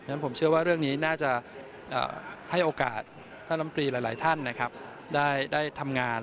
ฉะผมเชื่อว่าเรื่องนี้น่าจะให้โอกาสท่านลำตรีหลายท่านนะครับได้ทำงาน